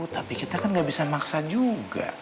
tapi kita kan gak bisa maksa juga